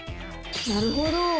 なるほど！